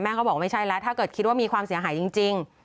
เขาบอกไม่ใช่แล้วถ้าเกิดคิดว่ามีความเสียหายจริง